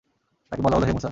তাকে বলা হল, হে মূসা!